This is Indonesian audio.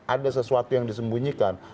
ada sesuatu yang disembunyikan